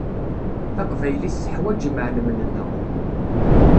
Taqbaylit teḥwaǧ imɛelmen-nneɣ.